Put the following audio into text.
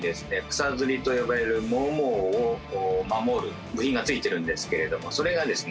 草摺と呼ばれるももを守る部品が付いてるんですけれどもそれがですね